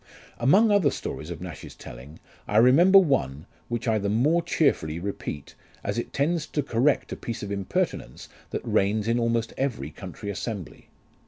Among other stories of Nash's telling, I remember one, which I the more cheerfully repeat, as it tends to correct a piece of impertinence that reigns in almost every country assembly.